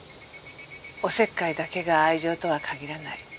おせっかいだけが愛情とは限らない。